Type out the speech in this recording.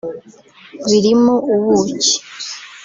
birimo ubuki